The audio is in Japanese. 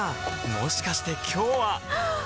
もしかして今日ははっ！